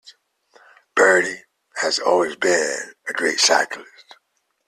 Bertie has always been a great cyclist.